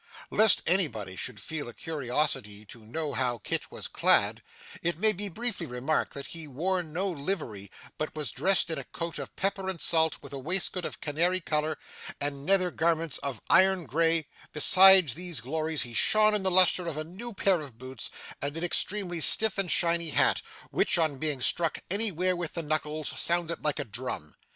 Lest anybody should feel a curiosity to know how Kit was clad, it may be briefly remarked that he wore no livery, but was dressed in a coat of pepper and salt with waistcoat of canary colour, and nether garments of iron grey; besides these glories, he shone in the lustre of a new pair of boots and an extremely stiff and shiny hat, which on being struck anywhere with the knuckles, sounded like a drum.